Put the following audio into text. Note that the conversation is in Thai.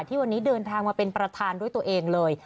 ที่วันนี้เดินทางมาเป็นประธานด้วยตัวเองเลย